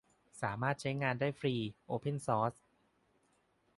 สามารถใช้งานได้ฟรี โอเพนซอร์ส